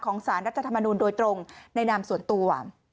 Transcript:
สารรัฐธรรมนูลโดยตรงในนามส่วนตัว